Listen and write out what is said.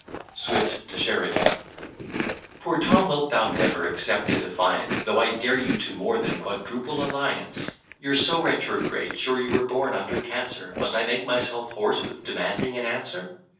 SWIFT TO SHERIDAN Poor Tom, wilt thou never accept a defiance, Though I dare you to more than quadruple alliance. You're so retrograde, sure you were born under Cancer; Must I make myself hoarse with demanding an answer?